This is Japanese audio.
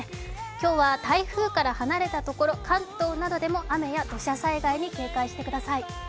今日は台風から離れたところ、関東などでも雨や土砂災害などに警戒してください。